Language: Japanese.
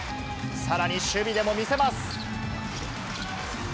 さらに、守備でも見せます。